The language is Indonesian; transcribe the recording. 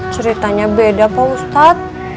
ceritanya beda pak ustaz